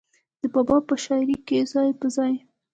د بابا پۀ شاعرۍ کښې ځای پۀ ځای